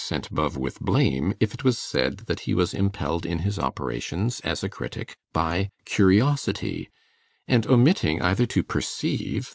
Sainte Beuve with blame if it was said that he was impelled in his operations as a critic by curiosity, and omitting either to perceive that M.